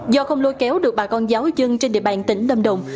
do không lôi kéo được bà con giáo dân trên địa bàn tỉnh lâm đồng